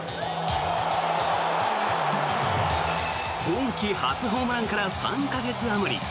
今季初ホームランから３か月あまり。